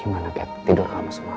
gimana cat tidur lama semalam